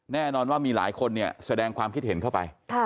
แน่นอนว่ามีหลายคนเนี่ยแสดงความคิดเห็นเข้าไป